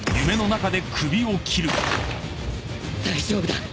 大丈夫だ！